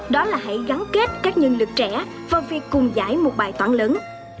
đó là hãy gắn kết các nhân lực trẻ vào việc cùng giải một bài toán lớn